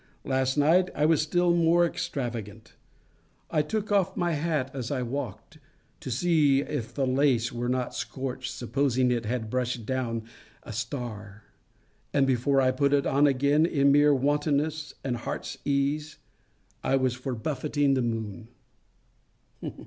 Last night I was still more extravagant. I took off my hat, as I walked, to see if the lace were not scorched, supposing it had brushed down a star; and, before I put it on again, in mere wantonness and heart's ease, I was for buffeting the moon.